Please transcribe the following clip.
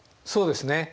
そうですね。